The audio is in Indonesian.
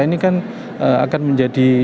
ini kan akan menjadi